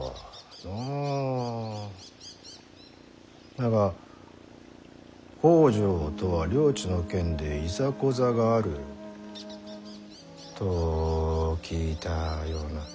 だが北条とは領地の件でいざこざがあると聞いたような。